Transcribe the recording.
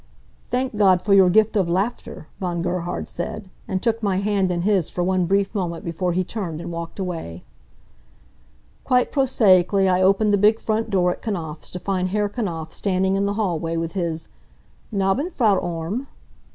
"Thank God for your gift of laughter," Von Gerhard said, and took my hand in his for one brief moment before he turned and walked away. Quite prosaically I opened the big front door at Knapfs' to find Herr Knapf standing in the hallway with his: "Nabben', Frau Orme."